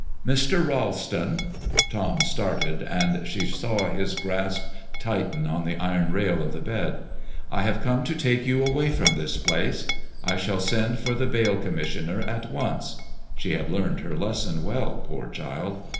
"Mr. Ralston" Tom started, and she saw his grasp tighten on the iron rail of the bed, "I have come to take you away from this place. I shall send for the bail commissioner at once" (she had learned her lesson well, poor child!)